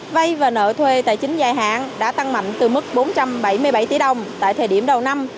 vay và nợ thuê tài chính dài hạn đã tăng mạnh từ mức bốn trăm bảy mươi bảy tỷ đồng tại thời điểm đầu năm